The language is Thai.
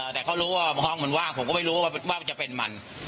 แต่เขารู้ว่าห้องมันว่างผมก็ไม่รู้ว่ามันจะเป็นมัน